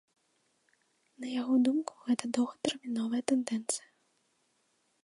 На яго думку, гэта доўгатэрміновая тэндэнцыя.